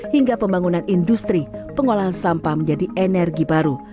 hingga pembangunan industri pengolahan sampah menjadi energi baru